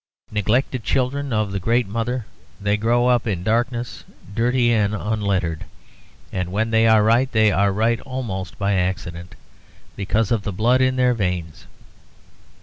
Neglected children of the great mother, they grow up in darkness, dirty and unlettered, and when they are right they are right almost by accident, because of the blood in their veins.